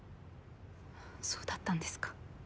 そうだったんですか。